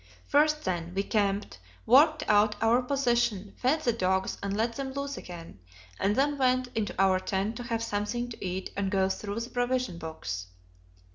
First, then, we camped, worked out our position, fed the dogs and let them loose again, and then went into our tent to have something to eat and go through the provision books.